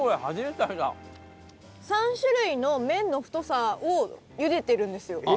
３種類の麺の太さをゆでてるんですよ。